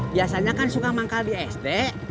biasanya kan suka manggal di sd